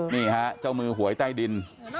นี่ครับจ้าวมือหัวไอ้ใต้ดิน